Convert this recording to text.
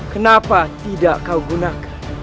kenapa tidak kau gunakan